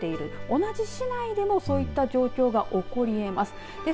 同じ市内でもそういった状況が起こりえます。